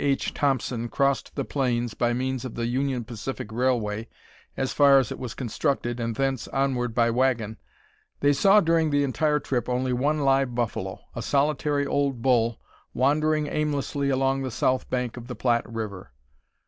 H. Thompson crossed the plains by means of the Union Pacific Railway as far as it was constructed and thence onward by wagon, they saw during the entire trip only one live buffalo, a solitary old bull, wandering aimlessly along the south bank of the Platte River.